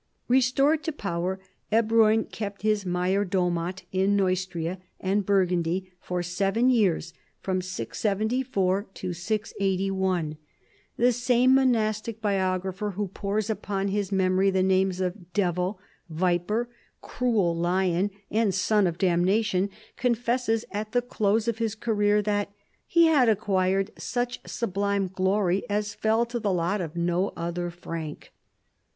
* Restored to power, Ebroin kept his major domat in I^eustria and Burgundy for seven years (674 681). The same monastic biographer who pours upon his memory the names " devil," " viper," " cruel lion," and " son of damnation," confesses at the close of his career that " he had acquired such sublim.e glory as fell to the lot of no other Frank."